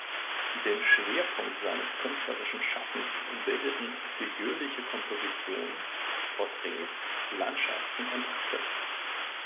Den Schwerpunkt seines künstlerischen Schaffens bildeten figürliche Kompositionen, Porträts, Landschaften und Akte.